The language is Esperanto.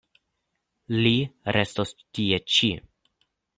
Li restos tie ĉi.